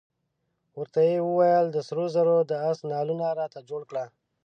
ورته یې وویل د سرو زرو د آس نعلونه راته جوړ کړه.